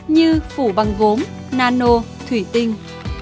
như phủ bằng gốm nano thủy tinh